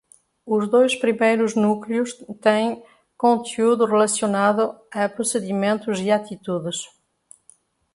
Os dois primeiros núcleos têm conteúdo relacionado a procedimentos e atitudes.